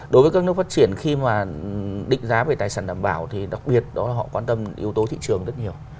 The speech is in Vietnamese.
đối với các nước phát triển khi mà định giá về tài sản đảm bảo thì đặc biệt đó là họ quan tâm yếu tố thị trường rất nhiều